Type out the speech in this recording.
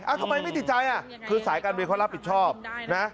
อ้าวทำไมไม่ติดใจอ่ะคือสายการบริเคราะห์รับผิดชอบนะ